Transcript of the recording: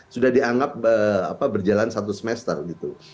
sudah dianggap berjalan satu semester gitu